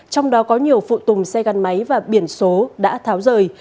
trong đó có nhiều phụ tùng xe gắn máy và biển số đã tháo rời